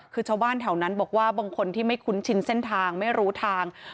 คือชาวบ้านแถวนั้นบอกว่าบางคนที่ไม่คุ้นชินเส้นทางไม่รู้ทาง